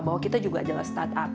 bahwa kita juga adalah startup